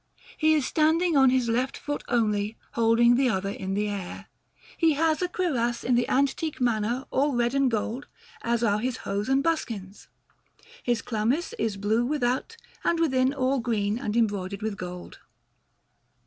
He is standing on his left foot only, holding the other in the air. He has a cuirass in the antique manner, all red and gold, as are his hose and his buskins. His chlamys is blue without, and within all green and embroidered with gold.